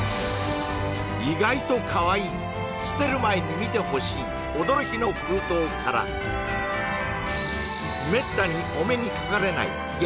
意外とかわいい捨てる前に見てほしい驚きの封筒からめったにお目にかかれない激